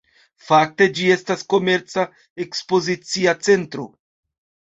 Fakte ĝi estas komerca-ekspozicia centro.